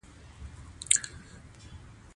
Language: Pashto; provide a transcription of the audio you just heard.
چې انقلاب دې منډې کار نه دى.